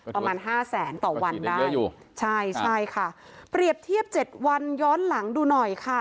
ประมาณห้าแสนต่อวันได้อยู่ใช่ใช่ค่ะเปรียบเทียบเจ็ดวันย้อนหลังดูหน่อยค่ะ